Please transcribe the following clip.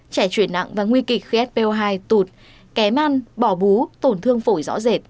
trẻ chuyển nặng và nguy kịch khi fp hai tụt kém ăn bỏ bú tổn thương phổi rõ rệt